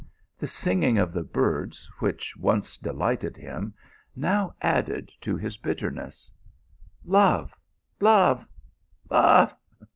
The singing of the birds which once delighted him now added to his bitterness. Love ! love ! love